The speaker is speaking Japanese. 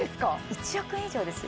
１億円以上ですよ